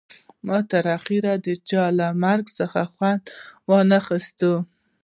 ما تر اخره د چا له مرګ څخه خوند ونه خیست